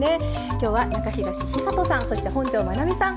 今日は中東久人さんそして本上まなみさん。